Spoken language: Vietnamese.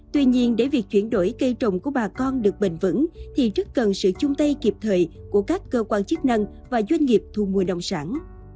tuy nhiên để việc chuyển đổi cây trồng của bà con được bền vững thì rất cần sự chung tay kịp thời của các cơ quan chức năng và doanh nghiệp thu mua nông sản